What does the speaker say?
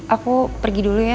aku pergi dulu ya